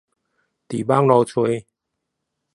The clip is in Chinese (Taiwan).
而今在網路上搜尋